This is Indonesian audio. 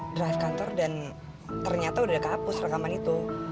drive kantor dan ternyata udah kehapus rekaman itu